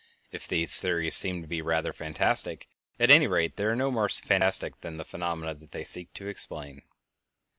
If these theories seem to the reader fantastic, at any rate they are no more fantastic than the phenomena that they seek to explain.